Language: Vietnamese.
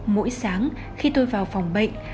mỗi sáng khi tôi vào phòng bệnh